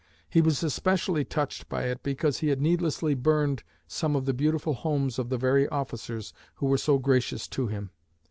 He was especially touched by it because he had needlessly burned some of the beautiful homes of the very officers who were so gracious to him.